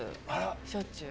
しょっちゅう。